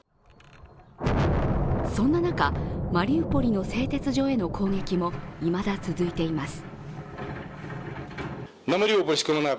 そんな中、マリウポリの製鉄所への攻撃もいまだ続いています。